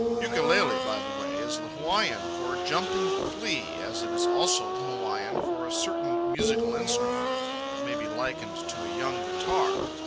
Ukulele, by the way, is the Hawaiian for "jumping flea" as it is also the Hawaiian for a certain musical instrument that may be likened to a young guitar.